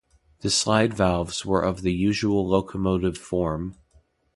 The slide valves were of the usual locomotive form.